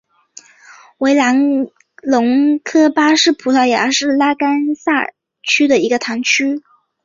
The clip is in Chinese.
维拉尔德隆巴是葡萄牙布拉干萨区的一个堂区。